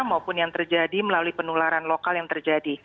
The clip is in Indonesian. maupun yang terjadi melalui penularan lokal yang terjadi